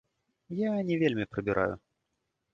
Я не вельмі прыбіраю.